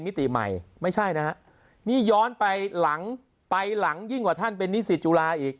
มิติใหม่ไม่ใช่นะฮะนี่ย้อนไปหลังไปหลังยิ่งกว่าท่านเป็นนิสิตจุฬาอีก